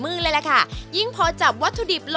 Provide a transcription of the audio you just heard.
ไม่ได้ละครับ